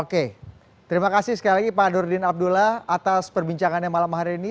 oke terima kasih sekali lagi pak nurdin abdullah atas perbincangannya malam hari ini